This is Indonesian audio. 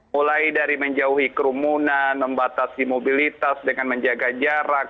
mulai dari menjauhi kerumunan membatasi mobilitas dengan menjaga jarak